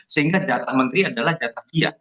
sehingga data menteri adalah data dia